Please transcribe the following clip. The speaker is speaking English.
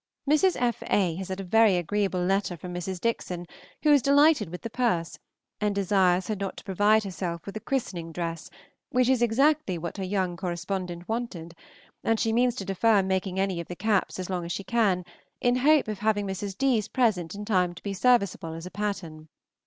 Mrs. F. A. has had a very agreeable letter from Mrs. Dickson, who was delighted with the purse, and desires her not to provide herself with a christening dress, which is exactly what her young correspondent wanted; and she means to defer making any of the caps as long as she can, in hope of having Mrs. D.'s present in time to be serviceable as a pattern.